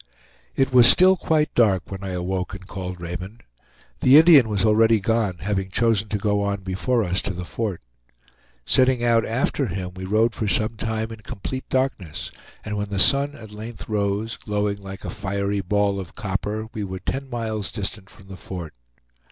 It was still quite dark when I awoke and called Raymond. The Indian was already gone, having chosen to go on before us to the Fort. Setting out after him, we rode for some time in complete darkness, and when the sun at length rose, glowing like a fiery ball of copper, we were ten miles distant from the Fort.